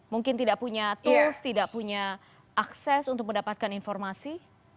mungkin tidak punya tools tidak punya akses untuk mendapatkan informasi